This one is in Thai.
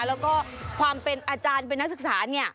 แล้วก็ความเป็นอาจารย์เป็นนักศึกษาเนี่ย